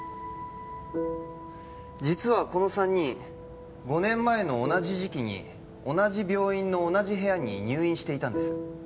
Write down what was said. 実はこの三人５年前の同じ時期に同じ病院の同じ部屋に入院していたんです